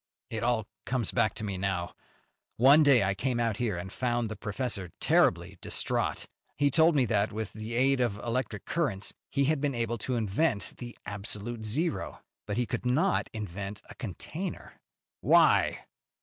"It all comes back to me now. One day I came out here and found the professor terribly distraught. He told me that, with the aid of electric currents he had been able to invent the absolute zero, but he could not invent a container." "Why?"